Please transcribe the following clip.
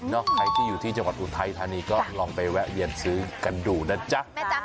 ใครที่อยู่ที่จังหวัดอุทัยธานีก็ลองไปแวะเวียนซื้อกันดูนะจ๊ะ